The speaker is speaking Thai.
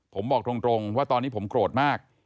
ผมบอกตรงว่าตอนนี้ผมโกรธมาก